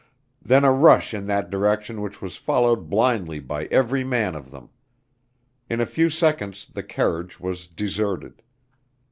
Then a rush in that direction which was followed blindly by every man of them. In a few seconds the carriage was deserted.